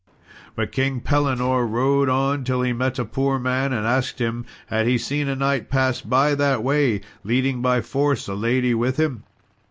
But King Pellinore rode on till he met a poor man and asked him had he seen a knight pass by that way leading by force a lady with him.